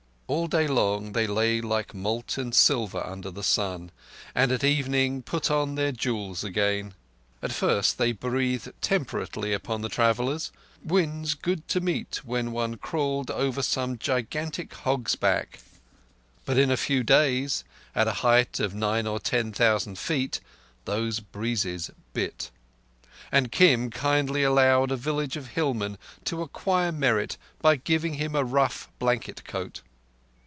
All day long they lay like molten silver under the sun, and at evening put on their jewels again. At first they breathed temperately upon the travellers, winds good to meet when one crawled over some gigantic hog's back; but in a few days, at a height of nine or ten thousand feet, those breezes bit; and Kim kindly allowed a village of hillmen to acquire merit by giving him a rough blanket coat.